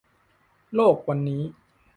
โลกวันนี้